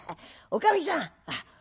おかみさん